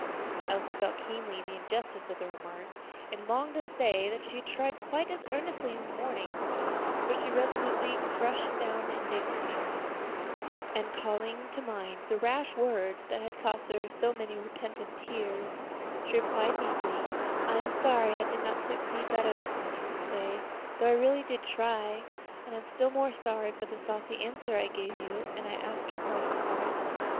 Elsie felt keenly the injustice of the remark, and longed to say that she had tried quite as earnestly in the morning; but she resolutely crushed down the indignant feeling, and calling to mind the rash words that had cost her so many repentant tears, she replied meekly, "I am sorry I did not succeed better this morning, Miss Day, though I did really try; and I am still more sorry for the saucy answer I gave you; and I ask your pardon for it."